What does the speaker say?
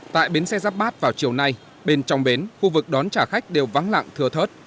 tại bến xe giáp bát vào chiều nay bên trong bến khu vực đón trả khách đều vắng lặng thưa thớt